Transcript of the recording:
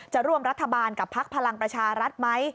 ร่วมรัฐบาลกับพักพลังประชารัฐไหม